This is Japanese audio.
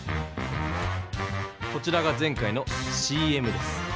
こちらが前回のＣＭです。